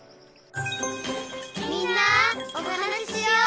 「みんなおはなししよう」